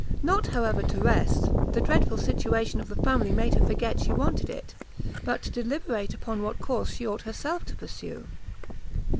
Not, however, to rest; the dreadful situation of the family made her forget she wanted it, but to deliberate upon what course she ought herself to pursue.